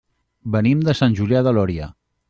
Venim de Sant Julià de Lòria.